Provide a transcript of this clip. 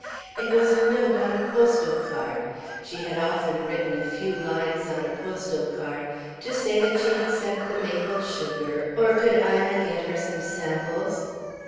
It was a note on a postal card she had often written a few lines on a postal card to say that she had sent the maple sugar, or could Ina get her some samples.